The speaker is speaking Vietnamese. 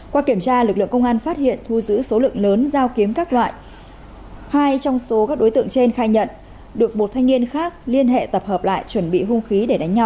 qua kiểm tra lực lượng công an phát hiện thu giữ số lượng lớn dao kiếm các loại hai trong số các đối tượng trên khai nhận được một thanh niên khác liên hệ tập hợp lại chuẩn bị hung khí để đánh nhau